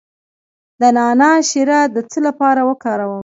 د نعناع شیره د څه لپاره وکاروم؟